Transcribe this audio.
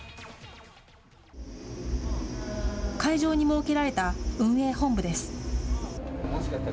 会場に設けられた運営本部です。